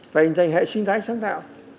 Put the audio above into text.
phải hình thành hệ sinh thái sáng tạo